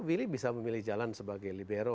willy bisa memilih jalan sebagai libero